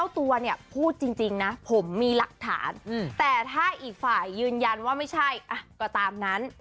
ถ้าอีกฝ่ายยืนยันว่าไม่ใช่ก็ตามนั้น